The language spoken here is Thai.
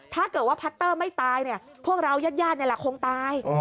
ถ้าเกิดว่าพาร์ตเตอร์ไม่ตายพวกเรายาดคงตาย